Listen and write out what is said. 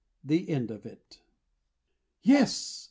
THE END OF IT. Yes!